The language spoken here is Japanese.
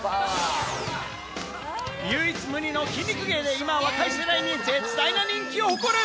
唯一無二の筋肉芸で今、若い世代に絶大な人気を誇る。